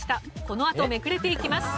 このあとめくれていきます。